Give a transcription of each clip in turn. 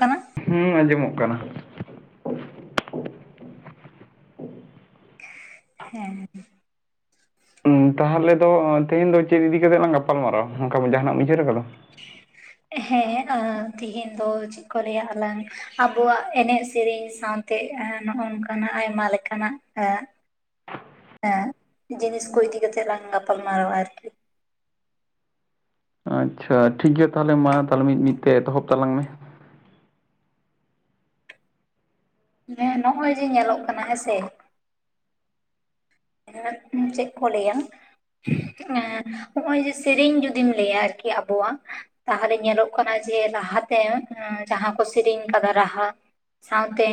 ᱠᱟᱱᱟ ᱦᱩᱸ ᱟᱸᱡᱚᱢᱚᱜ ᱠᱟᱱᱟ᱾ ᱦᱮᱸ᱾ ᱩᱸ, ᱛᱟᱦᱞᱮ ᱫᱚ ᱛᱮᱦᱮᱧ ᱫᱚ ᱪᱮᱫ ᱤᱫᱤ ᱠᱟᱛᱮᱜ ᱞᱟᱝ ᱜᱟᱯᱟᱞᱢᱟᱨᱟᱣᱟ ᱱᱚᱝᱠᱟ ᱡᱟᱦᱟᱱᱟᱜ ᱮᱢ ᱩᱭᱦᱟᱹᱨ ᱠᱟᱫᱟ? ᱦᱮᱸ ᱛᱤᱦᱤᱧ ᱫᱚ ᱪᱮᱫ ᱠᱚ ᱞᱟᱹᱭᱟ ᱟᱞᱟᱝ ᱟᱵᱚᱣᱟᱜ ᱮᱱᱮᱡ ᱥᱮᱨᱮᱧ ᱥᱟᱶ ᱛᱮ ᱱᱚᱜ-ᱚ ᱱᱚᱝᱠᱟᱱᱟᱜ ᱟᱭᱢᱟ ᱞᱮᱠᱟᱱᱟᱜ ᱮᱸᱜ ᱮᱸ ᱡᱤᱱᱤᱥ ᱠᱚ ᱤᱫᱤ ᱠᱟᱛᱮᱜ ᱞᱟᱝ ᱜᱟᱯᱟᱞ ᱢᱟᱨᱟᱣᱟ ᱟᱨᱠᱤ᱾ ᱟᱪᱪᱷᱟ ᱴᱷᱤᱠ ᱜᱮᱭᱟ ᱛᱟᱦᱞᱮ ᱢᱟ ᱛᱟᱦᱞᱮ ᱢᱤᱫ ᱢᱤᱫ ᱛᱮ ᱮᱛᱚᱦᱚᱵ ᱛᱟᱞᱟᱝ ᱢᱮ᱾ ᱦᱮᱸ ᱱᱚᱜ-ᱚᱭ ᱡᱮ ᱧᱮᱞᱚᱜ ᱠᱟᱱᱟ ᱦᱮᱸᱥᱮ᱾ [unintelligible] ᱪᱮᱫ ᱠᱚ ᱞᱟᱹᱭᱟ ᱮᱸ, ᱦᱚᱸᱜ-ᱚᱭ ᱡᱮ ᱥᱮᱨᱮᱧ ᱡᱩᱫᱤᱢ ᱞᱟᱹᱭᱟ ᱟᱨᱠᱤ ᱟᱵᱚᱣᱟᱜ ᱛᱟᱦᱞᱮ ᱧᱮᱞᱚᱜ ᱠᱟᱱᱟ ᱡᱮ ᱞᱟᱦᱟᱛᱮ ᱡᱟᱦᱟᱸ ᱠᱚ ᱥᱮᱨᱮᱧ ᱠᱟᱫᱟ ᱨᱟᱦᱟ ᱥᱟᱶᱛᱮ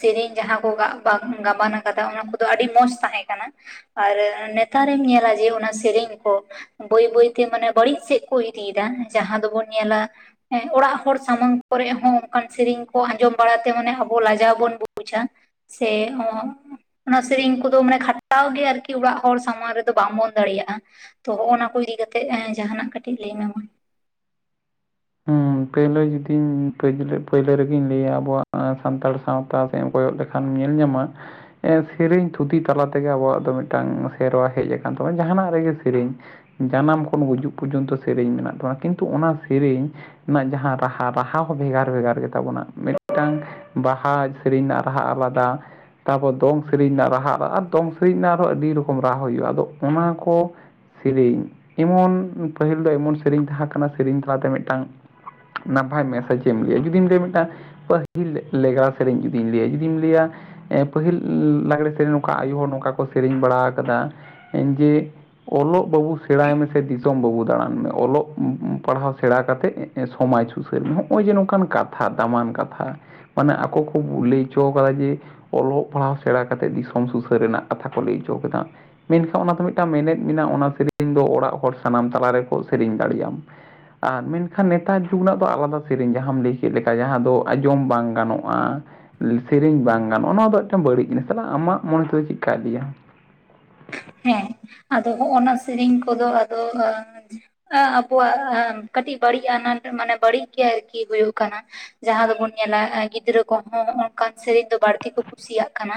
ᱥᱮᱨᱮᱧ ᱡᱟᱦᱟᱸ ᱠᱚ ᱜᱟᱜ-ᱜᱟ ᱜᱟᱵᱟᱱ ᱠᱟᱫᱟ ᱚᱱᱟ ᱠᱚᱫᱚ ᱟᱹᱰᱤ ᱢᱚᱸᱡᱽ ᱛᱟᱦᱮᱸ ᱠᱟᱱᱟ᱾ ᱟᱨ ᱱᱮᱛᱟᱨᱮᱢ ᱧᱮᱞᱟ ᱡᱮ ᱚᱱᱟ ᱥᱮᱨᱮᱧ ᱠᱚ᱾ ᱵᱟᱹᱭ ᱵᱟᱹᱭᱛᱮ ᱢᱟᱱᱮ ᱵᱟᱹᱲᱤᱡ ᱥᱮᱫ ᱠᱚ ᱤᱫᱤᱭᱮᱫᱟ᱾ ᱡᱟᱦᱟᱸ ᱫᱚᱵᱚᱱ ᱧᱮᱞᱟ ᱦᱮᱸ ᱚᱲᱟᱜ ᱦᱚᱲ ᱥᱟᱢᱟᱝ ᱠᱚᱨᱮᱜ ᱦᱚᱸ ᱚᱱᱠᱟᱱ ᱥᱮᱨᱮᱧ ᱠᱚ ᱟᱸᱡᱚᱢ ᱵᱟᱲᱟᱛᱮ ᱢᱟᱱᱮ ᱟᱵᱚ ᱞᱟᱡᱟᱣ ᱵᱚᱱ ᱵᱩᱡᱟ ᱾ ᱥᱮ ᱚᱱᱟ ᱥᱮᱨᱮᱧ ᱠᱚᱫᱚ ᱢᱟᱱᱮ ᱠᱷᱟᱴ ᱡᱟᱣ ᱜᱮ ᱟᱨᱠᱤ ᱚᱲᱟᱜ ᱦᱚᱲ ᱥᱟᱢᱟᱝ ᱨᱮᱫᱚ ᱵᱟᱢ ᱵᱚᱱ ᱫᱟᱲᱮᱭᱟᱜ-ᱟ ᱾ ᱛᱚ ᱦᱚᱜ ᱱᱟ ᱠᱚ ᱤᱫᱤ ᱠᱟᱛᱮᱜ ᱡᱟᱦᱟᱸᱱᱟᱜ ᱠᱟᱹᱴᱤᱡ ᱞᱟᱹᱭ ᱢᱮ ᱢᱟ ᱾ ᱜᱚᱢᱠᱮ ᱡᱩᱫᱤᱧ ᱯᱮᱭᱞᱳ-ᱯᱳᱭᱞᱳ ᱨᱮᱜᱤᱧ ᱞᱟᱹᱭᱟ ᱟᱵᱚᱣᱟᱜ ᱥᱟᱱᱛᱟᱲ ᱥᱟᱶᱛᱟ ᱛᱟᱣ ᱥᱮᱜ ᱮᱢ ᱠᱚᱭᱚᱜ ᱞᱮᱠᱷᱟᱱ ᱧᱮᱞ ᱧᱟᱢᱟ᱾ ᱮᱸ ᱥᱮᱨᱤᱧ ᱛᱷᱩᱛᱤ ᱛᱟᱞᱟ ᱛᱮᱜᱮ ᱟᱵᱚᱣᱟᱜ ᱫᱚ ᱢᱤᱫᱴᱟᱝ ᱥᱮᱨᱣᱟ ᱦᱮᱜ ᱟᱠᱟᱱ ᱛᱟᱵᱚᱱᱟ ᱡᱟᱦᱟᱱᱟᱜ ᱨᱮᱜᱮ ᱥᱮᱨᱤᱧ, ᱡᱟᱱᱟᱢ ᱠᱷᱚᱱ ᱜᱩᱡᱩᱜ ᱯᱚᱨᱡᱚᱱᱛᱚ ᱥᱮᱨᱮᱧ ᱢᱮᱱᱟᱜ ᱛᱟᱵᱚᱱᱟ ᱠᱤᱱᱛᱩ ᱚᱱᱟ ᱥᱮᱨᱤᱧ, ᱤᱧᱟᱜ ᱡᱟᱦᱟᱸ ᱨᱟᱦᱟ, ᱨᱟᱦᱟ ᱦᱚᱸ ᱵᱷᱮᱜᱟᱨ ᱵᱷᱮᱜᱟᱨ ᱜᱮᱛᱟᱵᱚᱱᱟ᱾ ᱢᱤᱫᱴᱟᱝ ᱵᱟᱦᱟ ᱥᱮᱨᱮᱧ ᱨᱟᱦᱟ ᱟᱞᱟᱫᱟ ᱛᱟᱯᱚᱨ ᱫᱚᱝ ᱥᱮᱨᱮᱧ ᱨᱮᱱᱟᱜ ᱨᱟᱦᱟ ᱟᱨ ᱫᱚᱝ ᱥᱮᱨᱮᱧ ᱨᱮᱱᱟᱜ ᱟᱨᱦᱚᱸ ᱟᱹᱰᱤ ᱨᱚᱠᱚᱢ ᱨᱟᱦᱟ ᱦᱩᱭᱩᱜ-ᱟ᱾ ᱟᱫᱚ ᱚᱱᱟ ᱠᱚ ᱥᱮᱨᱤᱧ ᱮᱢᱚᱱ ᱯᱟᱹᱦᱤᱞ ᱫᱚ ᱮᱢᱚᱱ ᱥᱮᱨᱤᱧ ᱛᱟᱦᱮᱸ ᱠᱟᱱᱟ, ᱥᱮᱨᱮᱧ ᱛᱟᱞᱟᱛᱮ ᱢᱤᱫᱴᱟᱝ ᱱᱟᱯᱟᱭ ᱢᱮᱥᱮᱡ ᱪᱮ ᱮᱢ ᱞᱟᱹᱭᱟ? ᱡᱩᱫᱤᱢ ᱞᱟᱹᱭᱟ ᱢᱤᱫᱴᱟᱝ ᱯᱟᱹᱦᱤᱞ ᱞᱮᱜᱽᱲᱟ ᱥᱮᱨᱤᱧ ᱡᱩᱫᱤᱧ ᱞᱟᱹᱭᱟ ᱡᱩᱫᱤᱧ ᱞᱟᱹᱭᱟ, ᱮᱸ ᱯᱟᱹᱦᱤᱞ ᱞᱟᱜᱽᱲᱮ ᱥᱮᱨᱮᱧ ᱱᱚᱝᱠᱟ ᱟᱭᱳ ᱦᱚᱲ ᱱᱚᱝᱠᱟ ᱠᱚ ᱥᱮᱨᱮᱧ ᱵᱟᱲᱟ ᱠᱟᱫᱟ ᱡᱮ ᱚᱞᱚᱜ ᱵᱟᱵᱩ ᱥᱮᱬᱟᱭ ᱢᱮᱥᱮ, ᱫᱤᱥᱚᱢ ᱵᱟᱵᱩ ᱫᱟᱬᱟᱱ ᱢᱮ᱾ ᱚᱞᱚᱜ ᱯᱟᱲᱦᱟᱣ ᱥᱮᱬᱟ ᱠᱟᱛᱮ ᱦᱮᱸ ᱥᱚᱢᱟᱡᱽ ᱥᱩᱥᱟᱹᱨ ᱢᱮ, ᱦᱚᱜᱼᱚᱭ ᱡᱮ ᱱᱚᱝᱠᱟᱱ ᱠᱟᱛᱷᱟ ᱫᱟᱢᱟᱱ ᱠᱟᱛᱷᱟ ᱢᱟᱱᱮ ᱟᱠᱚ ᱠᱚ ᱞᱟᱹᱭ ᱦᱚᱸᱪᱚ ᱟᱠᱟᱫᱟ ᱡᱮ ᱚᱞᱚᱜ ᱯᱟᱲᱦᱟᱣ ᱥᱮᱬᱟ ᱠᱟᱛᱮᱫ ᱫᱤᱥᱚᱢ ᱥᱩᱥᱟᱹᱨ ᱨᱮᱱᱟᱜ ᱠᱟᱛᱷᱟ ᱠᱚ ᱞᱟᱹᱭ ᱪᱚ ᱠᱮᱫᱟ᱾ ᱢᱮᱱᱠᱷᱟᱱ ᱚᱱᱟ ᱫᱚ ᱢᱤᱫᱴᱟᱝ ᱢᱮᱱᱮᱫ ᱢᱮᱱᱟᱜᱼᱟ᱾ ᱚᱱᱟ ᱥᱮᱨᱮᱧ ᱫᱚ ᱚᱲᱟᱜ ᱦᱚᱲ ᱥᱟᱱᱟᱢ ᱛᱟᱞᱟ ᱨᱮᱠᱚ ᱥᱮᱨᱮᱧ ᱫᱟᱲᱮᱭᱟᱢ᱾ ᱟᱨ ᱢᱮᱱ ᱮᱠᱷᱟᱱ ᱱᱮᱛᱟᱨ ᱡᱩᱜᱽ ᱨᱮᱱᱟᱜ ᱫᱚ ᱟᱞᱟᱫᱟ ᱥᱮᱨᱮᱧ, ᱡᱟᱦᱟᱸ ᱫᱚ ᱪᱮᱫ ᱞᱮᱠᱟ, ᱡᱟᱦᱟᱸ ᱫᱚ ᱟᱸᱡᱚᱢ ᱵᱟᱝ ᱜᱟᱱᱚᱜᱼᱟ᱾ [unintelligible] ᱥᱮᱨᱮᱧ ᱵᱟᱝ ᱜᱟᱱᱚᱜᱼᱟ, ᱱᱚᱣᱟ ᱫᱚ ᱢᱤᱫᱴᱟᱝ ᱵᱟᱹᱲᱤᱡ ᱡᱤᱱᱤᱥ ᱛᱟᱦᱚᱞᱮ ᱟᱢᱟᱜ ᱢᱚᱱᱮ ᱛᱮᱫᱚ ᱪᱮᱫ ᱠᱟᱭ ᱞᱤᱭᱟ? ᱦᱮᱸ ᱟᱫᱚ ᱦᱚᱸᱜ-ᱱᱟ ᱥᱮᱨᱮᱧ ᱠᱚᱫᱚ ᱟᱫᱚᱜᱼᱟ ᱡᱮ, ᱮᱸ ᱟᱵᱚᱣᱟᱜ ᱠᱟᱹᱴᱤᱡ ᱵᱟᱹᱲᱤᱡ ᱟᱱᱟᱴ ᱢᱟᱱᱮ ᱵᱟᱹᱲᱤᱡ ᱜᱮ ᱟᱨᱠᱤ ᱦᱩᱭᱩᱜ ᱠᱟᱱᱟ᱾ ᱡᱟᱦᱟᱸ ᱫᱚᱵᱚᱱ ᱧᱮᱞᱟ, ᱜᱤᱫᱽᱨᱟᱹ ᱠᱚᱦᱚᱸ ᱦᱚᱸᱜ ᱚᱱᱠᱟᱱ ᱥᱮᱨᱮᱧ ᱫᱚ ᱵᱟᱹᱲᱛᱤ ᱠᱚ ᱠᱩᱥᱤᱭᱟᱜ ᱠᱟᱱᱟ᱾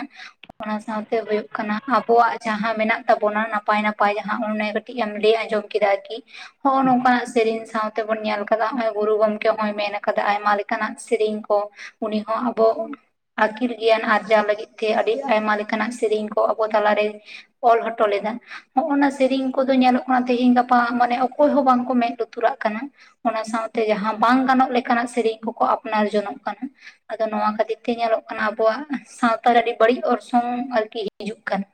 ᱚᱱᱟ ᱥᱟᱶᱛᱮ ᱦᱩᱭᱩᱜ ᱠᱟᱱᱟ ᱟᱵᱚᱣᱟᱜ ᱡᱟᱦᱟᱸᱼᱼ ᱡᱟᱦᱟᱸ ᱢᱮᱱᱟᱜ ᱛᱟᱵᱚᱱᱟ ᱱᱟᱯᱟᱭ ᱱᱟᱯᱟᱭ ᱡᱟᱦᱟᱸ ᱚᱱᱮ ᱠᱟᱹᱴᱤᱡ ᱮᱢ ᱞᱟᱹᱭ ᱟᱸᱡᱚᱢ ᱠᱮᱫᱟ ᱠᱤ ᱦᱚᱜᱼ ᱱᱚᱝᱠᱟᱱᱟᱜ ᱥᱮᱨᱮᱧ ᱥᱟᱶᱛᱮᱵᱚᱱ ᱧᱮᱞ ᱠᱟᱫᱟ ᱱᱚᱜᱚᱭ ᱜᱩᱨᱩ ᱜᱚᱝᱠᱮ ᱦᱚᱭ ᱢᱮᱱ ᱠᱟᱫᱟ ᱟᱭᱢᱟ ᱞᱮᱠᱟᱱᱟᱜ ᱥᱮᱨᱮᱧ ᱠᱚ ᱩᱱᱤ ᱦᱚᱸ ᱟᱵᱚ ᱟᱹᱠᱤᱞ ᱜᱮᱭᱟᱱ ᱟᱨᱡᱟᱣ ᱞᱟᱹᱜᱤᱫ ᱛᱮ ᱟᱹᱰᱤ ᱟᱭᱢᱟ ᱞᱮᱠᱟᱱᱟᱜ ᱥᱮᱨᱮᱧ ᱠᱚ ᱟᱵᱚ ᱛᱟᱞᱟᱨᱮ ᱚᱞ ᱦᱚᱴᱚ ᱞᱮᱫᱟ ᱦᱚᱜᱼ ᱱᱟ ᱥᱮᱨᱮᱧ ᱠᱚᱫᱚ ᱧᱮᱞᱚᱜ ᱠᱟᱱᱟ ᱛᱮᱦᱮᱧ ᱜᱟᱯᱟ ᱢᱟᱱᱮ ᱚᱠᱚᱭ ᱦᱚᱸ ᱵᱟᱝᱠᱚ ᱢᱮᱫ ᱞᱩᱛᱩᱨᱟᱜ ᱠᱟᱱᱟ᱾ ᱚᱱᱟ ᱥᱟᱶᱛᱮ ᱡᱟᱦᱟᱸ ᱵᱟᱝ ᱜᱟᱱᱚᱜ ᱞᱮᱠᱟᱱᱟᱜ ᱥᱮᱨᱮᱧ ᱠᱚᱠᱚ ᱟᱯᱱᱟᱨ ᱡᱚᱱᱚᱜ ᱠᱟᱱᱟ᱾ ᱟᱫᱚ ᱱᱚᱣᱟ ᱠᱷᱟᱹᱛᱤᱨ ᱛᱮ ᱧᱮᱞᱚᱜ ᱠᱟᱱᱟ ᱟᱵᱚᱣᱟᱜ ᱥᱟᱶᱛᱟᱨᱮ ᱟᱹᱰᱤ ᱵᱟᱹᱲᱤᱡ ᱚᱨᱥᱚᱝ ᱟᱨᱠᱤ ᱦᱤᱡᱩᱜ ᱠᱟᱱᱟ᱾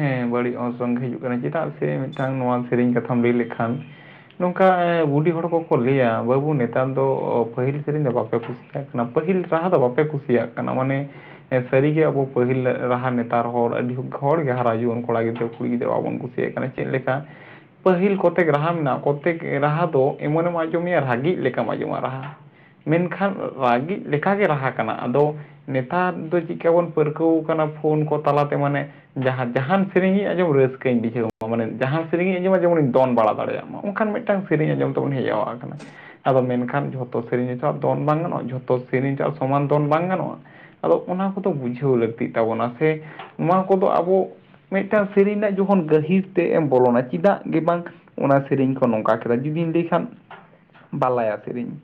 ᱦᱮᱸ ᱵᱟᱹᱲᱤᱡ ᱚᱨᱥᱚᱝ ᱜᱮ ᱦᱤᱡᱩᱜ ᱠᱟᱱᱟ ᱪᱮᱫᱟᱜ ᱥᱮ ᱢᱤᱫᱴᱟᱝ ᱱᱚᱣᱟ ᱥᱮᱨᱮᱧ ᱠᱟᱛᱷᱟᱢ ᱞᱟᱹᱭ ᱞᱮᱠᱷᱟᱱᱼᱼ ᱱᱚᱝᱠᱟ ᱵᱩᱰᱤᱷᱤ ᱦᱚᱲ ᱠᱚᱠᱚ ᱞᱟᱹᱭᱟ ᱵᱟᱹᱵᱩ ᱱᱮᱛᱟᱨ ᱫᱚ ᱯᱟᱹᱦᱤᱞ ᱥᱮᱨᱮᱧ ᱫᱚ ᱵᱟᱯᱮ ᱠᱩᱥᱤᱤᱭᱟᱜ-ᱟ ᱯᱟᱹᱦᱤᱞ ᱨᱟᱦᱟ ᱫᱚ ᱵᱟᱯᱮ ᱠᱩᱥᱤᱭᱟᱜ ᱠᱟᱱᱟ ᱢᱟᱱᱮ ᱥᱟᱹᱨᱤ ᱜᱮ ᱟᱵᱚ ᱯᱟᱹᱦᱤᱞ ᱨᱟᱦᱟ ᱱᱮᱛᱟᱨ ᱦᱚᱲ ᱟᱹᱰᱤ ᱦᱚᱲᱜᱮ ᱦᱟᱨᱟ ᱡᱩᱣᱟᱹᱱ ᱠᱚᱲᱟ ᱜᱤᱫᱽᱨᱟᱹ ᱠᱩᱲᱤ ᱜᱤᱫᱽᱨᱟᱹ ᱵᱟᱵᱚᱱ ᱠᱩᱥᱤᱭᱟᱜ ᱠᱟᱱᱟ ᱪᱮᱫ ᱞᱮᱠᱟ ᱯᱟᱹᱦᱤᱞ ᱠᱚᱛᱮᱠ ᱨᱟᱦᱟ ᱢᱮᱱᱟᱜ-ᱟ ᱠᱚᱛᱮᱠ ᱨᱟᱦᱟ ᱫᱚ ᱮᱢᱚᱱᱮ ᱮᱢ ᱟᱸᱡᱚᱢ ᱢᱮᱭᱟ ᱨᱟᱹᱜᱤ ᱞᱮᱠᱟᱢ ᱟᱸᱡᱚᱢᱟ ᱨᱟᱦᱟ ᱢᱮᱱᱠᱷᱟᱱ ᱞᱟᱹᱜᱤᱫ ᱞᱮᱠᱟᱜᱮ ᱨᱟᱦᱟ ᱠᱟᱱᱟ ᱟᱫᱚ ᱱᱮᱛᱟᱨ ᱫᱚ ᱪᱮᱫᱠᱟ ᱵᱚᱱ ᱯᱟᱹᱨᱠᱟᱹᱣ ᱠᱟᱱᱟ ᱯᱷᱳᱱ ᱠᱚ ᱛᱟᱞᱟᱛᱮ ᱢᱟᱱᱮ ᱡᱟᱦᱟᱸ ᱡᱟᱦᱟᱱ ᱥᱮᱨᱮᱧ ᱤᱧ ᱟᱸᱡᱚᱢ ᱨᱟᱹᱥᱠᱟᱹᱧ ᱵᱩᱡᱷᱟᱹᱣᱟ ᱢᱟᱱᱮ ᱡᱟᱦᱟᱸ ᱥᱮᱨᱮᱧ ᱟᱸᱡᱚᱢᱟ ᱡᱮᱢᱚᱱᱤᱧ ᱫᱚᱱ ᱵᱟᱲᱟ ᱫᱟᱲᱮᱭᱟᱜ ᱢᱟ ᱚᱱ ᱠᱷᱟᱱ ᱢᱤᱫᱴᱟᱝ ᱥᱨᱮᱧ ᱟᱸᱡᱚᱢ ᱛᱮᱟᱵᱚᱱ ᱦᱮᱡ ᱟᱣᱟᱜ ᱠᱟᱱᱟ ᱟᱫᱚ ᱢᱮᱱᱠᱷᱟᱱ ᱡᱷᱚᱛᱚ ᱥᱮᱨᱮᱧ ᱫᱚ ᱫᱚᱱ ᱵᱟᱝ ᱜᱟᱱᱚᱜ-ᱟ ᱡᱷᱚᱛᱚ ᱥᱮᱨᱮᱧ ᱥᱚᱢᱟᱱ ᱫᱚᱱ ᱵᱟᱝ ᱜᱟᱱᱚᱜ-ᱟ᱾ ᱟᱫᱚ ᱚᱱᱟ ᱠᱚᱫᱚ ᱵᱩᱡᱷᱟᱹᱣ ᱞᱟᱹᱠᱛᱤᱜ ᱛᱟᱵᱚᱱᱟ ᱥᱮ ᱱᱚᱣᱟ ᱠᱚᱫᱚ ᱟᱵᱚ ᱢᱤᱫᱴᱟᱝ ᱥᱮᱨᱮᱧ ᱨᱮᱱᱟᱜ ᱡᱚᱠᱷᱚᱱ ᱜᱟᱹᱦᱤᱨ ᱛᱮ ᱮᱢ ᱵᱚᱞᱚᱱᱟ ᱪᱮᱫᱟᱜ ᱜᱮ ᱵᱟᱝ ᱚᱱᱟ ᱥᱮᱨᱮᱧ ᱠᱚ ᱱᱚᱝᱠᱟ ᱠᱮᱫᱟ ᱡᱩᱫᱤᱧ ᱞᱟᱹᱭ ᱠᱷᱟᱱ ᱵᱟᱞᱟᱭᱟ ᱥᱮᱨᱮᱧ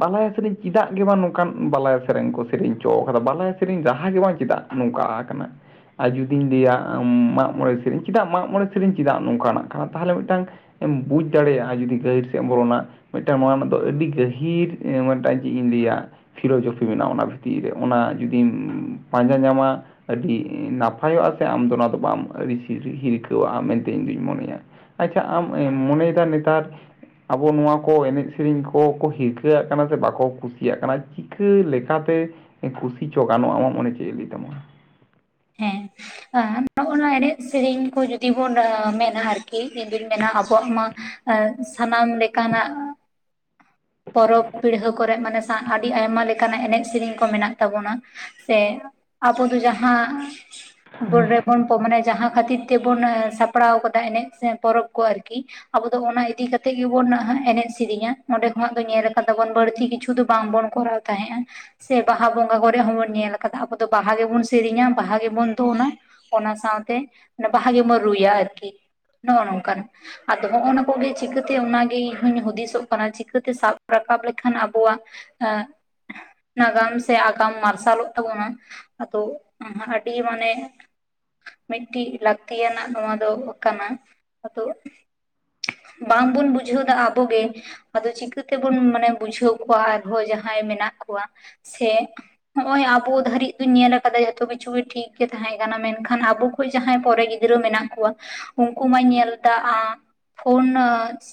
ᱵᱟᱞᱟᱭᱟ ᱥᱮᱨᱮᱧ ᱪᱮᱫᱟᱜ ᱜᱮ ᱵᱟᱝ ᱱᱚᱝᱠᱟᱱ ᱵᱟᱞᱟᱭ ᱥᱮᱨᱮᱧ ᱠᱚ ᱥᱮᱨᱮᱧ ᱚᱪᱚ ᱠᱟᱫᱟ ᱵᱟᱞᱟᱭ ᱥᱮᱨᱮᱧ ᱨᱟᱦᱟ ᱜᱮ ᱵᱟᱝ ᱪᱮᱫᱟᱜ? ᱱᱚᱝᱠᱟ ᱟᱠᱟᱱᱟ ᱟᱨ ᱡᱩᱫᱤᱧ ᱞᱟᱹᱭᱟ ᱢᱟᱜ ᱢᱚᱬᱮ ᱥᱤᱨᱤᱧ᱾ ᱪᱮᱫᱟᱜ ᱢᱟᱜ ᱢᱚᱬᱮ ᱥᱤᱨᱤᱧ ᱪᱮᱫᱟᱜ ᱱᱚᱝᱠᱟᱱᱟᱜ ᱠᱟᱱᱟ? ᱛᱟᱦᱞᱮ ᱢᱤᱫᱴᱟᱝ ᱮᱢ ᱵᱩᱡᱽ ᱫᱟᱲᱮᱭᱟᱜ-ᱟ ᱡᱩᱫᱤ ᱜᱟᱹᱦᱤᱨ ᱥᱮᱫ ᱮᱢ ᱵᱚᱞᱚᱱᱟ᱾ ᱢᱤᱫᱴᱟᱝ ᱱᱚᱣᱟ ᱨᱮᱱᱟᱜ ᱫᱚ ᱟᱹᱰᱤ ᱜᱟᱹᱦᱤᱨ ᱢᱤᱫᱴᱟᱝ ᱪᱮᱫ ᱤᱧ ᱞᱟᱹᱭᱟ ᱯᱷᱤᱞᱳᱚᱡᱚᱯᱷᱤ ᱢᱮᱱᱟᱜᱼᱟ ᱚᱱᱟ ᱵᱷᱤᱛᱤᱨ ᱨᱮ ᱚᱱᱟ ᱡᱩᱫᱤᱢ ᱯᱟᱸᱡᱟ ᱧᱟᱢᱟ ᱟᱹᱰᱤ ᱱᱟᱯ ᱯᱟᱭᱚᱜ-ᱟ ᱥᱮ ᱟᱢᱫᱚ ᱚᱱᱟ ᱫᱚ ᱵᱟᱢ ᱟᱹᱲᱤᱥ ᱦᱤᱨᱠᱷᱟᱹᱣᱟᱜ-ᱟ ᱢᱮᱱᱛᱮ ᱤᱧ ᱫᱩᱧ ᱢᱚᱱᱮᱭᱟ᱾ ᱟᱪᱪᱷᱟ ᱟᱢ ᱮᱸ ᱢᱚᱱᱮᱭᱮᱫᱟ ᱱᱮᱛᱟᱨ ᱟᱵᱚ ᱱᱚᱣᱟ ᱠᱚ ᱮᱱᱮᱡ ᱥᱮᱨᱮᱧ ᱠᱚᱠᱚ ᱦᱤᱨᱠᱷᱟᱹᱣᱟᱜ ᱠᱟᱱᱟ ᱥᱮ ᱵᱟᱠᱚ ᱠᱩᱥᱤᱭᱟᱜ ᱠᱟᱱᱟ ᱪᱤᱠᱟᱹ ᱞᱮᱠᱟᱛᱮ ᱠᱩᱥᱤ ᱪᱚ ᱜᱟᱱᱚᱜ-ᱟ ᱟᱢᱟᱜ ᱢᱚᱱᱮ ᱪᱮᱫ ᱞᱟᱹᱭ ᱛᱟᱢᱟ? ᱦᱮᱸ ᱦᱮᱸ ᱱᱚᱜ-ᱚ ᱱᱚᱣᱟ ᱮᱱᱮᱡ ᱥᱮᱨᱮᱧ ᱠᱚ ᱡᱩᱫᱤ ᱵᱚᱱ ᱢᱮᱱᱟ ᱟᱨᱠᱤ ᱤᱧ ᱫᱩᱧ ᱢᱮᱱᱟ ᱟᱵᱚᱣᱟᱜ ᱢᱟ᱾ ᱮᱸᱜ ᱥᱟᱱᱟᱢ ᱞᱮᱠᱟᱱᱟᱜ ᱯᱚᱨᱚᱵᱽ ᱯᱤᱲᱦᱟᱹ ᱠᱚᱨᱮᱜ ᱢᱟᱱᱮ ᱥᱟ ᱟᱹᱰᱤ ᱟᱭᱢᱟ ᱞᱮᱠᱟᱱᱟᱜ ᱮᱱᱮᱡ ᱥᱮᱨᱮᱧ ᱠᱚ ᱢᱮᱱᱟᱜ ᱛᱟᱵᱚᱱᱟ᱾ ᱥᱮ ᱟᱵᱚ ᱫᱚ ᱡᱟᱦᱟᱸ ᱵᱳᱲ ᱨᱮᱵᱚᱱ ᱛᱚ ᱢᱟᱱᱮ ᱡᱟᱦᱟᱸ ᱠᱷᱟᱹᱛᱤᱨ ᱛᱮ ᱵᱚᱱ ᱥᱟᱯᱲᱟᱣ ᱠᱟᱫᱟ ᱮᱱᱮᱡ ᱥᱮ ᱯᱚᱨᱚᱵ ᱠᱚ ᱟᱨᱠᱤ ᱟᱵᱚ ᱫᱚ ᱚᱱᱟ ᱤᱫᱤ ᱠᱟᱛᱮᱜ ᱜᱮ ᱵᱚᱱ ᱮᱱᱮᱡ ᱥᱮᱨᱮᱧᱟ ᱚᱸᱰᱮ ᱠᱷᱚᱱᱟᱜ ᱫᱚ ᱧᱮᱞ ᱟᱠᱟᱫᱟ ᱵᱚᱱ ᱵᱟᱹᱲᱛᱤ ᱠᱤᱪᱷᱩ ᱫᱚ ᱵᱟᱝᱵᱚᱱ ᱠᱚᱨᱟᱣ᱾ ᱛᱟᱦᱮᱸᱜ-ᱟ ᱥᱮ ᱵᱟᱦᱟ ᱵᱚᱸᱜᱟ ᱠᱚᱨᱮ ᱦᱚᱸᱵᱚᱱ ᱧᱮᱞ ᱟᱠᱟᱫᱟ ᱟᱵᱚ ᱫᱚ ᱵᱟᱦᱟ ᱜᱮ ᱵᱚᱱ ᱥᱮᱨᱮᱧᱟ᱾ ᱵᱟᱦᱟ ᱜᱮ ᱵᱚᱱ ᱫᱚᱱᱟ ᱚᱱᱟ ᱥᱟᱶᱛᱮ ᱵᱟᱦᱟ ᱜᱮ ᱵᱚᱱ ᱨᱩᱭᱟ ᱟᱨᱠᱤ᱾ ᱱᱚᱜ-ᱚ ᱱᱚᱝᱠᱟᱱ᱾ ᱟᱫᱚ ᱦᱚᱸᱜ-ᱚ ᱱᱟ ᱠᱚᱜᱮ ᱪᱤᱠᱟᱹᱛᱮ ᱚᱱᱟᱜᱮ ᱤᱧ ᱦᱚᱸᱧ ᱦᱩᱫᱤᱥᱚᱜ ᱠᱟᱱᱟ ᱪᱤᱠᱟᱹᱛᱮ ᱥᱟᱵ ᱨᱟᱠᱟᱵ ᱞᱮᱠᱷᱟᱱ ᱟᱵᱚᱣᱟᱜ ᱮᱸᱜ ᱱᱟᱜᱟᱢ ᱥᱮ ᱟᱜᱟᱢ ᱢᱟᱨᱥᱟᱞᱚᱜ ᱛᱟᱵᱚᱱᱟ? ᱟᱫᱚ ᱟᱹᱰᱤ ᱢᱟᱱᱮ ᱢᱤᱫᱴᱤᱡ ᱞᱟᱹᱠᱛᱤᱭᱟᱱᱟᱜ ᱱᱚᱣᱟ ᱫᱚ ᱠᱟᱱᱟ᱾ ᱟᱫᱚ ᱵᱟᱝ ᱵᱚᱱ ᱵᱩᱡᱷᱟᱹᱣᱫᱟ ᱟᱵᱚ ᱜᱮ᱾ ᱟᱫᱚ ᱪᱤᱠᱟᱹᱛᱮ ᱵᱚᱱ ᱢᱟᱱᱮ ᱵᱩᱡᱷᱟᱹᱣ ᱠᱚᱣᱟ ᱟᱨᱦᱚᱸ ᱡᱟᱸᱦᱟᱭ ᱢᱮᱱᱟᱜ ᱠᱚᱣᱟ᱾ ᱥᱮ ᱱᱚᱜ-ᱚᱭ ᱟᱵᱚ ᱫᱷᱟᱹᱨᱤᱡ ᱫᱩᱧ ᱧᱮᱞ ᱟᱠᱟᱫᱟ ᱡᱚᱛᱚ ᱠᱤᱪᱷᱩ ᱜᱮ ᱴᱷᱤᱠ ᱜᱮ ᱛᱟᱦᱮᱸ ᱠᱟᱱᱟ᱾ ᱢᱮᱱᱠᱷᱟᱱ ᱟᱵᱚ ᱠᱚ ᱡᱟᱦᱟᱸᱭ ᱯᱚᱨᱮ ᱜᱤᱫᱽᱨᱟᱹ ᱢᱮᱱᱟᱜ ᱠᱚᱣᱟ ᱩᱱᱠᱩ ᱢᱟᱧ ᱧᱮᱞᱫᱟ-ᱟ ᱯᱷᱳᱱ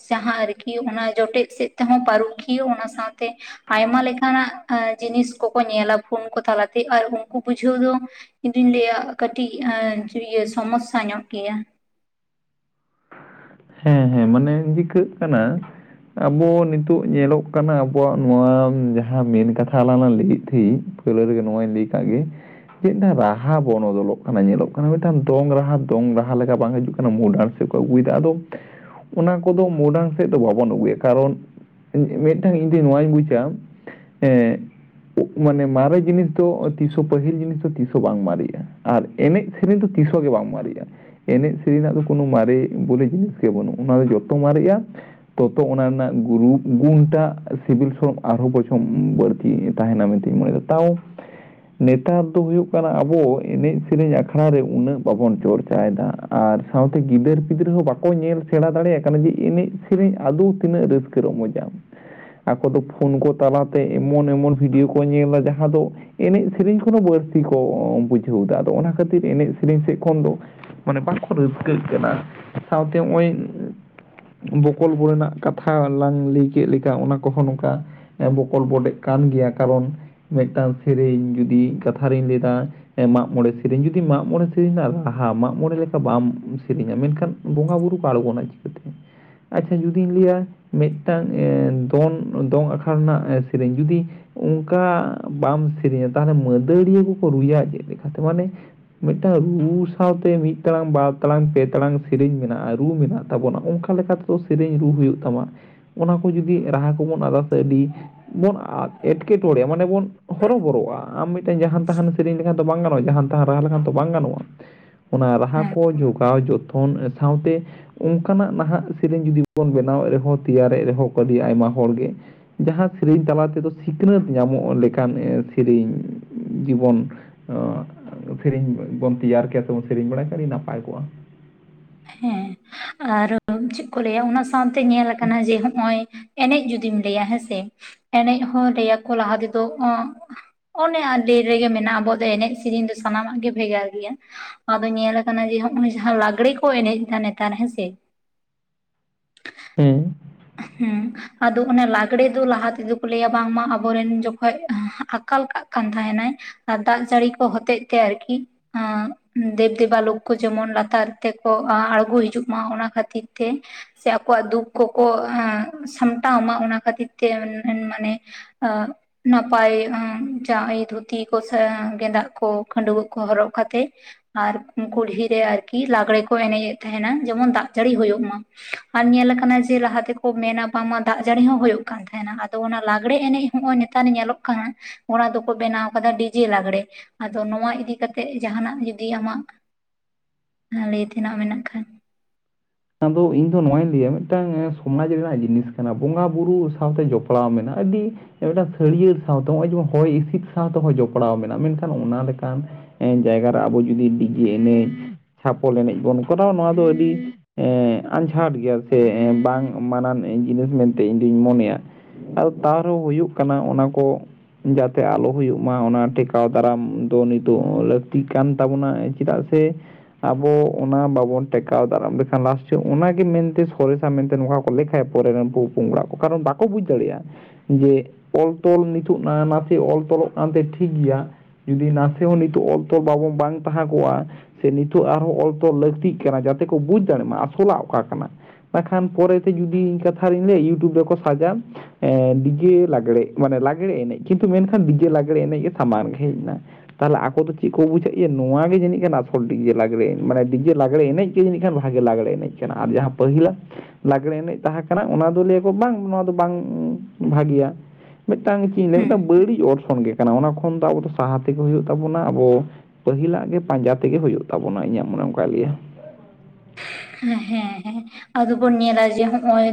ᱡᱟᱦᱟᱸ ᱟᱨᱠᱤ ᱚᱱᱟ ᱡᱚᱴᱮᱫ ᱥᱮᱫ ᱛᱮᱦᱚᱸ ᱯᱟᱹᱨᱩᱠᱷᱤᱭᱟᱹ ᱚᱱᱟ ᱥᱟᱶᱛᱮ ᱟᱭᱢᱟ ᱞᱮᱠᱟᱱᱟᱜ ᱟᱸ ᱡᱤᱱᱤᱥ ᱠᱚᱠᱚ ᱧᱮᱞᱟ ᱯᱷᱳᱱ ᱠᱚ ᱛᱟᱞᱟᱛᱮ ᱟᱨ ᱩᱱᱠᱩ ᱵᱩᱡᱷᱟᱹᱣ ᱫᱚ ᱤᱧ ᱫᱩᱧ ᱞᱟᱹᱭᱟ ᱠᱟᱹᱴᱤᱡ ᱮᱸ ᱤᱭᱟᱹ ᱥᱚᱢᱚᱥᱥᱟ ᱧᱚᱜ ᱜᱮᱭᱟ᱾ ᱦᱩᱸ ᱦᱩᱸ ᱢᱟᱱᱮ ᱪᱤᱠᱟᱹᱜ ᱠᱟᱱᱟ ᱟᱵᱚ ᱱᱤᱛᱳᱜ ᱧᱮᱞᱚᱜ ᱠᱟᱱᱟ ᱟᱵᱚᱣᱟᱜ ᱱᱚᱣᱟ ᱡᱟᱦᱟᱸ ᱢᱮᱱ ᱠᱟᱛᱷᱟ ᱟᱞᱟᱝ ᱞᱟᱝ ᱞᱟᱹᱭᱮᱫ ᱛᱟᱦᱮᱸᱜ᱾ ᱯᱳᱭᱞᱳ ᱨᱮᱜᱮ ᱱᱚᱣᱟᱧ ᱞᱟᱹᱭ ᱠᱟᱜ ᱜᱮ᱾ ᱪᱮᱫᱴᱟᱝ ᱨᱟᱦᱟ ᱵᱚᱱᱚᱫᱚᱞᱚᱜ ᱠᱟᱱᱟ ᱧᱮᱞᱚᱜ ᱠᱟᱱᱟ ᱢᱤᱫᱴᱟᱝ ᱫᱚᱝ ᱨᱟᱦᱟ ᱫᱚᱝ ᱨᱟᱦᱟ ᱞᱮᱠᱟ ᱵᱟᱝ ᱦᱤᱡᱩᱜ ᱠᱟᱱᱟ ᱢᱚᱰᱟᱨᱱ? ᱥᱮᱫ ᱠᱚ ᱟᱹᱜᱩᱭᱮᱫᱟ ᱟᱫᱚ ᱚᱱᱟ ᱠᱚᱫᱚ ᱢᱚᱰᱟᱝ ᱥᱮᱫ ᱫᱚ ᱵᱟᱵᱚᱱ ᱟᱹᱜᱩᱭᱟ ᱠᱟᱨᱚᱱᱼᱼ ᱢᱤᱫᱴᱟᱝ ᱤᱧ ᱫᱚ ᱱᱚᱣᱟᱧ ᱵᱩᱡᱟ ᱮᱸ ᱢᱟᱱᱮ ᱢᱟᱨᱮ ᱡᱤᱱᱤᱥ ᱫᱚ ᱛᱤᱥ ᱦᱚᱸ ᱯᱟᱹᱦᱤᱞ ᱡᱤᱱᱤᱥ ᱫᱚ ᱛᱤᱥ ᱦᱚᱸ ᱵᱟᱝ ᱢᱟᱨᱮᱜᱼᱟ ᱟᱨᱼᱼ ᱮᱱᱮᱡ ᱥᱮᱨᱮᱧ ᱫᱚ ᱛᱤᱥ ᱦᱚᱸ ᱜᱮ ᱵᱟᱢ ᱢᱟᱨᱮᱜᱼᱟ ᱮᱱᱮᱡ ᱥᱮᱨᱮᱧ ᱨᱮᱱᱟᱜ ᱫᱚ ᱠᱳᱱᱳ ᱢᱟᱨᱮ ᱵᱚᱞᱮ ᱡᱤᱱᱤᱥᱼᱼ ᱵᱟᱹᱱᱩᱜᱼᱟ ᱚᱱᱟ ᱫᱚ ᱡᱚᱛᱚ ᱢᱟᱨᱮᱜᱼᱟ᱾ ᱛᱚᱛᱚ ᱚᱱᱟ ᱨᱮᱱᱟᱜ ᱜᱩᱱ ᱜᱩᱱᱴᱟᱜ ᱥᱤᱵᱤᱞ ᱥᱚᱲᱚᱢ ᱟᱨᱦᱚᱸ ᱵᱚᱪᱷᱚᱢ ᱵᱟᱹᱲᱼᱼ ᱛᱤ ᱛᱟᱦᱮᱱᱟ ᱢᱤᱫᱴᱤᱡ ᱢᱟᱨᱮ ᱦᱚᱲ ᱛᱟᱣᱼᱼ ᱱᱮᱛᱟᱨ ᱫᱚ ᱦᱩᱭᱩᱜ ᱠᱟᱱᱟ ᱟᱵᱚ ᱮᱱᱮᱡ ᱥᱮᱨᱮᱧ ᱟᱠᱷᱲᱟ ᱨᱮ ᱩᱱᱟᱹᱜ ᱵᱟᱵᱚᱱ ᱪᱚᱨᱪᱟ ᱭᱮᱫᱟ, ᱟᱨ ᱥᱟᱶᱛᱮ ᱜᱤᱫᱟᱹᱨ ᱯᱤᱫᱟᱹᱨᱟᱹ ᱦᱚᱸ ᱵᱟᱼᱼ ᱠᱚ ᱧᱮᱞ ᱥᱮᱲᱟ ᱫᱟᱲᱮᱭᱟᱜ ᱠᱟᱱᱟ ᱡᱮ ᱮᱱᱮᱡ ᱥᱮᱨᱮᱧ ᱟᱫᱚ ᱛᱤᱱᱟᱹᱜ ᱨᱟᱹᱥᱠᱟᱹ ᱨᱚᱢᱚᱡᱟ᱾ ᱟᱠᱚ ᱫᱚ ᱯᱷᱳᱱ ᱠᱚ ᱛᱟᱞᱟᱛᱮ ᱮᱢᱚᱱ ᱮᱢᱚᱱ ᱵᱷᱤᱰᱭᱳ ᱠᱚ ᱧᱮᱞᱟ ᱡᱟᱦᱟᱸ ᱫᱚᱼᱼ ᱮᱱᱮᱡ ᱥᱮᱨᱮᱧ ᱠᱷᱚᱱ ᱵᱟᱹᱲᱛᱤ ᱠᱚ ᱵᱩᱡᱷᱟᱹᱣᱫᱟ ᱟᱫᱚ ᱚᱱᱟ ᱠᱷᱟᱹᱛᱤᱨ ᱮᱱᱮᱡ ᱥᱮᱨᱮᱧ ᱥᱮᱫ ᱠᱷᱚᱱ ᱫᱚ ᱢᱟᱱᱮ ᱵᱟᱠᱚ ᱨᱟᱹᱥᱠᱟᱹᱜ ᱠᱟᱱᱟ ᱥᱟᱶᱛᱮ ᱱᱚᱜᱼᱚᱭᱼᱼ ᱵᱚᱠᱚᱞ ᱵᱚᱰᱮ ᱨᱮᱱᱟᱜ ᱠᱟᱛᱷᱟ ᱟᱞᱟᱝ ᱞᱟᱹᱭ ᱠᱮᱫ ᱞᱮᱠᱟ ᱚᱱᱟ ᱠᱚᱦᱚᱸ ᱱᱚᱝᱠᱟ᱾ ᱮᱸ ᱵᱚᱠᱚᱞ ᱵᱚᱰᱮᱜ ᱠᱟᱱ ᱜᱮᱭᱟ ᱠᱟᱨᱚᱱ ᱢᱤᱫᱴᱟᱝ ᱥᱮᱨᱮᱧ ᱡᱩᱫᱤ ᱠᱟᱛᱷᱟ ᱨᱤᱧ ᱞᱟᱹᱭ ᱫᱟᱼᱼ ᱢᱟᱜᱽ ᱢᱚᱬᱮ ᱥᱮᱨᱮᱧ ᱡᱩᱫᱤ ᱢᱟᱜ ᱢᱚᱬᱮ ᱥᱮᱨᱮᱧ ᱨᱮᱱᱟᱜ ᱨᱟᱦᱟ ᱢᱟᱜ ᱢᱚᱬᱮ ᱞᱮᱠᱟ ᱵᱟᱢ ᱥᱮᱨᱮᱧᱟ ᱢᱮᱱᱠᱷᱟᱱ? ᱵᱚᱸᱜᱟ ᱵᱩᱨᱩ ᱠᱟᱲ ᱜᱩᱱᱟᱡ [inaudible] ᱟᱪᱪᱷᱟ ᱡᱩᱫᱤᱧ ᱞᱟᱹᱭᱟ ᱢᱤᱫᱴᱟᱝ ᱫᱚᱱ ᱫᱚᱝ ᱟᱠᱷᱲᱟ ᱨᱮᱱᱟᱜ ᱥᱮᱨᱮᱧ ᱡᱩᱫᱤᱼᱼ ᱚᱱᱠᱟ ᱵᱟᱢ ᱥᱮᱨᱮᱧᱟ ᱛᱟᱦᱚᱞᱮ ᱢᱟᱹᱫᱟᱹᱲᱤᱭᱟᱹ ᱠᱚ-ᱠᱚ ᱨᱩᱭᱟ ᱪᱮᱫ ᱞᱮᱠᱟᱛᱮ ᱢᱟᱱᱮ? ᱢᱤᱫ ᱴᱟᱝ ᱨᱩᱼᱨᱩ ᱥᱟᱶᱛᱮ ᱢᱤᱫ ᱴᱟᱲᱟᱝ ᱵᱟᱨ ᱴᱟᱲᱟᱝ ᱯᱮ ᱴᱟᱲᱟᱝᱼᱼ ᱥᱮᱨᱮᱧ ᱢᱮᱱᱟᱜᱼᱟ ᱨᱩ ᱢᱮᱱᱟᱜ ᱛᱟᱵᱚᱱᱟ ᱚᱱᱠᱟ ᱞᱮᱠᱟ ᱛᱮᱫᱚ ᱥᱮᱨᱮᱹᱧ ᱨᱩ ᱦᱩᱭᱩᱜ ᱛᱟᱢᱟ, ᱚᱱᱟ ᱠᱚ ᱡᱩᱫᱤ ᱨᱟᱦᱟ ᱠᱚᱵᱚᱱ ᱟᱫᱟ ᱥᱮ ᱟᱹᱰᱤᱼᱼ ᱵᱚᱱ ᱟᱸᱴ ᱮᱸᱴᱠᱮ ᱴᱚᱬᱮᱭᱟ ᱢᱟᱱᱮ ᱵᱚᱱ ᱦᱚᱨᱚᱚᱵᱚᱨᱚᱜᱼᱟ ᱟᱢ ᱢᱤᱫᱴᱮᱱ ᱡᱟᱦᱟᱱ ᱛᱟᱦᱟᱱ ᱥᱮᱨᱮᱧ ᱞᱮᱠᱷᱟᱱ ᱫᱚ ᱵᱟᱝ ᱜᱟᱱᱚᱜᱼᱟ? ᱡᱟᱦᱟᱱ ᱛᱟᱸᱦᱟ ᱨᱟᱦᱟ ᱞᱮᱠᱷᱟᱱ ᱫᱚ ᱵᱟᱝ ᱜᱟᱱᱚᱜᱼᱟ᱾ [inaudible] ᱚᱱᱟ ᱨᱟᱦᱟ ᱦᱮᱸ ᱠᱚ ᱡᱚᱜᱟᱣ ᱡᱚᱛᱚᱱ ᱥᱟᱶᱛᱮᱼᱼ ᱚᱱᱠᱟᱱᱟᱜ ᱱᱟᱦᱟᱜ ᱥᱮᱨᱮᱧ ᱡᱩᱫᱤ ᱵᱚᱱ ᱵᱮᱱᱟᱣᱮᱫ ᱨᱮᱦᱚᱸ ᱛᱮᱭᱟᱨᱮᱫ ᱨᱮᱦᱚᱸ ᱠᱚ ᱟᱹᱰᱤ ᱟᱭᱢᱟ ᱦᱚᱲᱜᱮ ᱡᱟᱦᱟᱸ ᱥᱮᱨᱮᱧ ᱛᱟᱞᱟ ᱛᱮᱫᱚ ᱥᱤᱠᱷᱱᱟᱹᱛ ᱧᱟᱢᱚᱜ ᱞᱮᱠᱟᱱ ᱥᱮᱨᱮᱧ ᱡᱤᱵᱚᱱᱼᱼ ᱥᱮᱨᱮᱧ ᱵᱚᱱ ᱛᱮᱭᱟᱨ ᱠᱮᱭᱟ ᱥᱮᱵᱚᱱ ᱥᱮᱨᱮᱹᱧ ᱵᱟᱲᱟᱭ ᱠᱮᱭᱟ ᱟᱹᱰᱤ ᱱᱟᱯᱟᱭ ᱠᱚᱜᱼᱟ᱾ ᱦᱮᱸ ᱟᱨ ᱪᱮᱫ ᱠᱚ ᱞᱟᱹᱭᱟ ᱚᱱᱟ ᱥᱟᱶ ᱛᱮ ᱧᱮᱞ ᱟᱠᱟᱱᱟ ᱡᱮ ᱱᱚᱜᱼᱚᱭ ᱮᱱᱮᱡ ᱡᱩᱫᱤᱢ ᱞᱟᱹᱭᱟ ᱦᱮᱸᱥᱮ ᱮᱱᱮᱡ ᱦᱚᱸ ᱞᱟᱹᱭᱟᱠᱚ ᱞᱟᱦᱟ ᱛᱮᱫᱚᱼᱼ ᱚᱱᱮ ᱟᱨ ᱰᱮᱨ ᱨᱮᱜᱮ ᱢᱮᱱᱟᱜᱼᱟ ᱟᱵᱚᱣᱟᱜ ᱫᱚ ᱮᱱᱮᱡ ᱥᱮᱨᱮᱧ ᱫᱚ ᱥᱟᱱᱟᱢᱟᱜ ᱜᱮ ᱵᱷᱮᱜᱟᱨ ᱜᱮᱭᱟ ᱟᱫᱚ ᱧᱮᱞ ᱟᱠᱟᱱᱟ ᱡᱮ ᱦᱚᱜᱼᱚᱭ ᱡᱟᱦᱟᱸ ᱞᱟᱜᱽᱲᱮ ᱠᱚ ᱮᱱᱮᱡ ᱮᱫᱟ ᱱᱮᱛᱟᱨ ᱦᱮᱸᱥᱮ ᱦᱮᱸ ᱦᱮᱸ ᱟᱫᱚ ᱚᱱᱮ ᱞᱟᱜᱽᱲᱮ ᱫᱚ ᱞᱟᱦᱟ ᱛᱮᱫᱚ ᱠᱚ ᱞᱟᱹᱭᱟ ᱵᱟᱝᱢᱟ ᱟᱵᱚᱨᱮᱱ ᱡᱚᱠᱷᱚᱡ ᱟᱠᱟᱞ ᱠᱟᱜ ᱠᱟᱱ ᱛᱟᱦᱮᱸ ᱱᱟᱭ ᱟᱨ ᱫᱟᱜ ᱡᱟᱹᱲᱤ ᱠᱚ ᱦᱚᱛᱮᱡ ᱛᱮ ᱟᱨᱠᱤ? ᱫᱮᱵᱽ ᱫᱮᱵᱟ ᱞᱳᱠ ᱠᱚ ᱡᱮᱢᱚᱱ ᱞᱟᱛᱟᱨ ᱛᱮᱠᱚ ᱟᱬᱜᱚ ᱦᱤᱡᱩᱜ ᱢᱟ ᱚᱱᱟ ᱠᱷᱟᱹᱛᱤᱨ ᱛᱮ᱾ ᱥᱮ ᱟᱠᱚᱣᱟᱜ ᱫᱩᱠ ᱠᱚᱠᱚ ᱥᱟᱢᱴᱟᱣ ᱢᱟ ᱚᱱᱟ ᱠᱷᱟᱹᱛᱤᱨ ᱛᱮ ᱢᱟᱱᱮ ᱟ ᱱᱟᱯᱟᱭ ᱡᱟᱦᱟᱸ ᱫᱷᱩᱛᱤ ᱠᱚ ᱥᱮ ᱜᱮᱸᱫᱟᱜ ᱠᱚ ᱠᱷᱟᱹᱰᱩᱣᱟᱹᱜ ᱠᱚ ᱦᱚᱨᱚᱜ ᱠᱟᱛᱮ᱾ ᱟᱨ ᱠᱩᱞᱦᱤᱨᱮ ᱟᱨᱠᱤ ᱞᱟᱜᱽᱲᱮ ᱠᱚ ᱮᱱᱮᱡ ᱮᱫ ᱛᱟᱦᱮᱱᱟ ᱡᱮᱢᱚᱱ ᱫᱟᱜ ᱡᱟᱹᱲᱤ ᱦᱳᱭᱳᱜ ᱢᱟ᱾ ᱟᱨ ᱧᱮᱞ ᱠᱟᱱᱟᱼᱼ ᱡᱮ ᱞᱟᱦᱟ ᱛᱮᱠᱚ ᱢᱮᱱᱟ ᱵᱟᱝᱢᱟ ᱫᱟᱜ ᱡᱟᱹᱲᱤ ᱦᱚᱸ ᱦᱩᱭᱩᱜ ᱠᱟᱱ ᱛᱟᱦᱮᱸᱱᱟ, ᱟᱫᱚ ᱚᱱᱟ ᱞᱟᱜᱽᱲᱮ ᱮᱱᱮᱡ ᱱᱚᱜᱼᱚᱭ ᱱᱮᱛᱟᱨ ᱧᱮᱞᱚᱜ ᱠᱟᱱᱟ, ᱚᱱᱟ ᱫᱚᱠᱚ ᱵᱮᱱᱟᱣ ᱠᱟᱫᱟ ᱰᱤᱡᱮ ᱞᱟᱜᱽᱲᱮ, ᱟᱫᱚ ᱱᱚᱣᱟ ᱤᱫᱤ ᱠᱟᱛᱮᱜ ᱡᱟᱦᱟᱱᱟᱜ ᱡᱩᱫᱤ ᱟᱢᱟᱜ, ᱞᱟᱹᱭ ᱛᱮᱱᱟᱜ ᱢᱮᱱᱟᱜ ᱠᱷᱟᱱ? ᱟᱫᱚ ᱤᱧ ᱫᱚ ᱱᱚᱣᱟᱧ ᱞᱟᱹᱭᱟ ᱢᱤᱫᱴᱟᱝ ᱥᱚᱢᱟᱡᱽ ᱨᱮᱱᱟᱜ ᱡᱤᱱᱤᱥ ᱠᱟᱱᱟ ᱵᱚᱸᱜᱟ ᱵᱩᱨᱩ ᱥᱟᱶᱛᱮ ᱡᱚᱯᱲᱟᱣ ᱢᱮᱱᱟᱜᱼᱟ ᱟᱹᱰᱤᱼᱼ ᱢᱤᱫᱴᱟᱱ ᱥᱟᱹᱲᱤᱭᱟᱹᱲ ᱥᱟᱶᱛᱮ ᱱᱚᱜᱼᱚᱭ ᱡᱮᱢᱚᱱ ᱦᱚᱭ ᱦᱤᱸᱥᱤᱫ ᱥᱟᱶ ᱛᱮᱦᱚᱸ ᱡᱚᱯᱲᱟᱣ ᱢᱮᱱᱟᱜᱼᱟ ᱢᱮᱱᱠᱷᱟᱱ ᱚᱱᱟ ᱞᱮᱠᱟᱱᱼᱼ ᱛᱮᱦᱮᱧ ᱡᱟᱭᱜᱟ ᱨᱮ ᱟᱵᱚ ᱡᱩᱫᱤ ᱰᱤᱡᱮ ᱮᱱᱮᱡ, ᱪᱷᱟᱯᱚᱞ ᱮᱱᱮᱡ ᱵᱚᱱ ᱠᱚᱨᱟᱣᱟ ᱱᱚᱣᱟ ᱫᱚ ᱟᱹᱰᱤᱼᱼ ᱮᱜ ᱟᱸᱡᱷᱟᱴ ᱜᱮᱭᱟ ᱥᱮ ᱮᱜ ᱵᱟᱝ ᱢᱟᱱᱟᱱ ᱡᱤᱱᱤᱥ ᱢᱮᱱᱛᱮ ᱤᱧ ᱫᱩᱧ ᱢᱚᱱᱮᱭᱟ ᱾ ᱟᱫᱚ ᱛᱟᱣ ᱨᱮᱦᱚᱸ ᱦᱩᱭᱩᱜ ᱠᱟᱱᱟ ᱚᱱᱟᱠᱚ ᱡᱟᱛᱮ ᱟᱞᱚ ᱦᱩᱭᱩᱜ ᱢᱟ ᱚᱱᱟ ᱴᱮᱠᱟᱣ ᱫᱟᱨᱟᱢ ᱫᱚ ᱱᱤᱛᱚᱜ ᱞᱟᱹᱠᱛᱤᱜ ᱠᱟᱱ ᱛᱟᱵᱚᱱᱟᱭ ᱾ ᱪᱮᱫᱟᱜ ᱥᱮ ᱟᱵᱚ ᱚᱱᱟ ᱵᱟᱵᱚᱱ ᱴᱮᱠᱟᱣ ᱫᱟᱨᱟᱢ ᱞᱮᱠᱷᱟᱱ [unintelligible] ᱞᱟᱥᱴ ᱚᱱᱟᱜᱮ ᱢᱮᱱᱛᱮ ᱥᱚᱨᱮᱥᱟ ᱢᱮᱱᱛᱮ ᱱᱚᱝᱠᱟ ᱠᱚ ᱞᱮᱠᱷᱟᱭᱟ ᱯᱚᱨᱮ ᱨᱮᱱ ᱯᱩᱼᱯᱩᱝᱲᱟ ᱠᱚ ᱠᱟᱨᱚᱱ ᱵᱟᱠᱚ ᱵᱩᱡᱽ ᱫᱟᱲᱮᱭᱟᱜᱼᱟ ᱾ ᱡᱮ ᱚᱞ ᱛᱚᱞ ᱱᱤᱛᱚᱜ ᱱᱟ ᱱᱟᱥᱮ ᱚᱞ ᱛᱚᱞᱚᱜ ᱠᱟᱱᱛᱮ ᱴᱷᱤᱠ ᱜᱮᱭᱟ, ᱡᱩᱫᱤ ᱱᱟᱥᱮ ᱦᱚᱸ ᱱᱤᱛᱚᱜ ᱚᱞ ᱛᱚᱞ ᱵᱟᱵᱚ ᱵᱟᱝ ᱛᱟᱦᱮᱸ ᱠᱚᱜᱼᱟᱼᱼ ᱥᱮ ᱱᱤᱛᱚᱜ ᱟᱨᱦᱚᱸ ᱚᱞ ᱛᱚᱞ ᱞᱟᱹᱠᱛᱤᱜ ᱠᱟᱱᱟ ᱡᱟᱛᱮ ᱠᱚ ᱵᱩᱡᱽ ᱫᱟᱲᱮᱜ ᱢᱟ ᱟᱥᱚᱞᱟᱜ ᱚᱠᱟ ᱠᱟᱱᱟ ᱾ ᱵᱟᱠᱷᱟᱱ ᱯᱚᱨᱮᱛᱮ ᱡᱩᱫᱤ ᱤᱧ ᱠᱟᱛᱷᱟ ᱨᱤᱧ ᱞᱟᱹᱭᱟ ᱤᱭᱩᱴᱩᱵᱽ ᱨᱮᱠᱚ ᱥᱟᱡᱟ ᱾ ᱮ ᱰᱤᱡᱮ ᱞᱟᱜᱽᱲᱮ ᱢᱟᱱᱮ ᱞᱟᱜᱽᱲᱮ ᱮᱱᱮᱡ ᱠᱤᱱᱛᱩ ᱢᱮᱱᱠᱷᱟᱱ ᱰᱤᱡᱮ ᱞᱟᱜᱽᱲᱮ ᱮᱱᱮᱡ ᱜᱮ ᱥᱟᱢᱟᱝ ᱦᱮᱡ ᱮᱱᱟ ᱾ ᱛᱟᱦᱚᱞᱮ ᱟᱠᱚ ᱫᱚ ᱪᱮᱫ ᱠᱚ ᱵᱩᱡᱷᱟᱹᱜᱼᱟ ᱡᱮ ᱱᱚᱣᱟ ᱜᱮ ᱡᱟᱹᱱᱤᱡ ᱠᱷᱟᱱ ᱟᱥᱚᱞ ᱰᱤᱡᱮ ᱞᱟᱜᱽᱲᱮ ᱢᱟᱱᱮ ᱰᱤᱡᱮ ᱞᱟᱜᱽᱲᱮ ᱮᱱᱮᱡ ᱜᱮ ᱡᱟᱹᱱᱤᱡ ᱠᱷᱟᱱ ᱾ ᱵᱷᱟᱜᱮ ᱞᱟᱜᱽᱲᱮ ᱮᱱᱮᱡ ᱠᱟᱱᱟ ᱟᱨ ᱡᱟᱦᱟᱸ ᱯᱟᱹᱦᱤᱞᱟᱜᱼᱼ ᱞᱟᱜᱽᱲᱮ ᱮᱱᱮᱡ ᱛᱟᱦᱮᱸ ᱠᱟᱱᱟ ᱚᱱᱟ ᱫᱚ ᱞᱟᱹᱭ ᱟᱠᱚ ᱵᱟᱝ ᱱᱚᱣᱟ ᱫᱚ ᱵᱟᱝ ᱵᱷᱟᱹᱜᱤᱭᱟ ᱾ ᱢᱤᱫᱴᱟᱝ ᱪᱮᱫ ᱤᱧ ᱞᱟᱹᱭᱟ ᱦᱩᱸ ᱢᱤᱫᱴᱟᱝ ᱵᱟᱹᱲᱤᱡ ᱚᱨᱥᱚᱝ ᱜᱮ ᱠᱟᱱᱟ ᱚᱱᱟ ᱠᱷᱚᱱ ᱫᱚ ᱟᱵᱚ ᱫᱚ ᱥᱟᱦᱟ ᱛᱮᱜᱮ ᱦᱩᱭᱩᱜ ᱛᱟᱵᱚᱱᱟ ᱾ ᱟᱵᱚᱼᱼ ᱯᱟᱹᱦᱤᱞᱟᱜ ᱜᱮ ᱯᱟᱸᱡᱟ ᱛᱮᱜᱮ ᱦᱩᱭᱩᱜ ᱛᱟᱵᱚᱱᱟ ᱤᱧᱟᱹᱜ ᱢᱚᱱᱮ ᱚᱱᱠᱟᱭ ᱞᱟᱹᱭᱟ ᱾ ᱦᱮᱸ ᱦᱮᱸ ᱟᱫᱚ ᱵᱚᱱ ᱧᱮᱞᱟ ᱡᱮ ᱱᱚᱜᱼᱚᱭ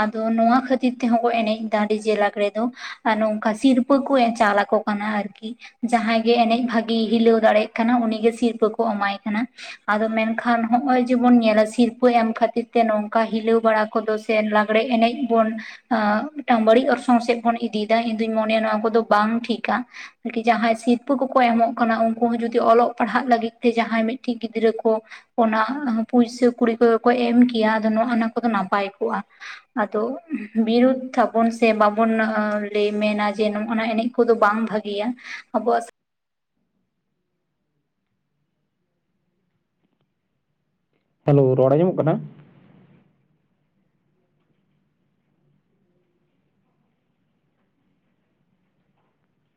ᱟᱫᱚ ᱱᱚᱣᱟ ᱠᱷᱟᱹᱛᱤᱨ ᱛᱮᱦᱚᱸ ᱠᱚ ᱮᱱᱮᱡ ᱫᱟ ᱰᱤᱡᱮ ᱞᱟᱠᱽ ᱨᱮᱫᱚ ᱾ ᱟᱨ ᱱᱚᱝᱠᱟ ᱥᱤᱨᱯᱟᱹ ᱠᱚ ᱮᱢ ᱪᱟᱞ ᱟᱠᱚ ᱠᱟᱱᱟ ᱟᱨᱠᱤᱼᱼ ᱡᱟᱦᱟᱸᱭ ᱜᱮ ᱮᱱᱮᱡ ᱵᱷᱟᱜᱤᱭ ᱦᱤᱞᱟᱹᱣ ᱫᱟᱲᱮᱭᱟᱜ ᱠᱟᱱᱟ ᱩᱱᱤᱜᱮ ᱥᱤᱨᱯᱟᱹ ᱠᱚ ᱮᱢᱟᱭ ᱠᱟᱱᱟ ᱾ ᱟᱫᱚ ᱢᱮᱱᱠᱷᱟᱱ ᱱᱚᱜ-ᱚᱭ ᱡᱮᱢᱚᱱ ᱧᱮᱞᱼᱼ ᱥᱤᱨᱞᱯᱟᱹ ᱧᱟᱢ ᱠᱷᱟᱹᱛᱤᱨ ᱛᱮ ᱱᱚᱝᱠᱟ ᱦᱤᱞᱟᱹᱣ ᱵᱟᱲᱟ ᱠᱚᱫᱚ ᱥᱮ ᱞᱟᱜᱽᱲᱮ ᱮᱱᱮᱡ ᱵᱚᱱᱼᱼ ᱢᱤᱫᱴᱟᱝ ᱵᱟᱹᱲᱤᱡ ᱚᱨᱥᱚᱝ ᱥᱮᱫ ᱵᱚᱱ ᱤᱫᱤᱭᱮᱫᱟ ᱤᱧ ᱫᱩᱧ ᱢᱚᱱᱮᱭᱟ ᱱᱚᱣᱟ ᱠᱚᱫᱚ ᱵᱟᱝ ᱴᱷᱤᱠᱟ ᱾ ᱟᱨᱠᱤ ᱡᱟᱦᱟᱸᱭ ᱥᱤᱨᱯᱟᱹ ᱠᱚᱠᱚ ᱮᱢᱚᱜ ᱠᱟᱱᱟ ᱩᱱᱠᱩ ᱦᱚᱸ ᱡᱚᱫᱤ ᱚᱞᱚᱜ ᱯᱟᱲᱦᱟᱜ ᱞᱟᱹᱜᱤᱫ ᱛᱮ ᱡᱟᱦᱟᱸᱭ ᱢᱤᱫᱴᱤᱡ ᱜᱤᱫᱽᱨᱟᱹ ᱠᱚ, ᱚᱱᱟ ᱯᱩᱭᱥᱟᱹ ᱠᱩᱲᱤ ᱠᱚᱜᱮ ᱠᱚ ᱮᱢ ᱠᱮᱭᱟ ᱟᱫᱚ ᱱᱚᱜ-ᱚᱱᱟ ᱠᱚᱫᱚ ᱱᱟᱯᱟᱭ ᱠᱚᱜ-ᱟ ᱾ ᱟᱫᱚ ᱵᱤᱨᱩᱫ ᱛᱟᱵᱚᱱ ᱥᱮ ᱵᱟᱵᱚᱱ ᱞᱟᱹᱭ ᱢᱮᱱᱟ ᱡᱮ ᱱᱚᱜᱼᱱᱟ ᱮᱱᱮᱡᱼᱼ ᱠᱚᱫᱚ ᱵᱟᱝ ᱵᱷᱟᱹᱜᱤᱭᱟ, ᱟᱵᱚᱣᱟᱜᱼᱼ ᱦᱮᱞᱳ ᱨᱚᱲ ᱟᱡᱚᱢᱚᱜ ᱠᱟᱱᱟ